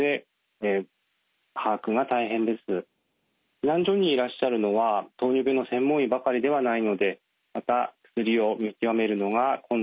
避難所にいらっしゃるのは糖尿病の専門医ばかりではないのでまた薬を見極めるのが困難になってきます。